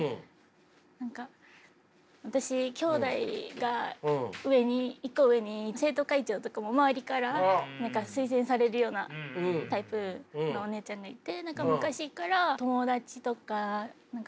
何か私姉妹が上に１個上に生徒会長とかも周りから推薦されるようなタイプのお姉ちゃんがいて。